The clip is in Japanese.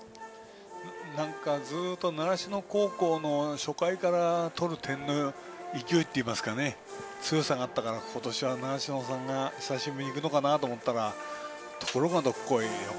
ずっと習志野高校の初回から点を取る勢いといいますか強さがあったから今年は習志野さんが久しぶりに行くのかなと思ったらところがどっこい